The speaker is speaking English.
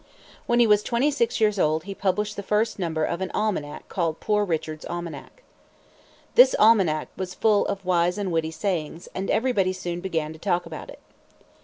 When he was twenty six years old, he published the first number of an almanac called Poor Richard's Almanac. This almanac was full of wise and witty sayings, and everybody soon began to talk about it.